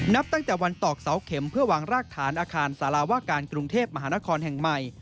นับตั้งแต่วันตอกเสาเข็มเพื่อวางรากฐานอาคารสารว่าการกรุงเทพมหานครแห่งใหม่